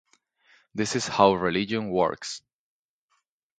This is how religion works.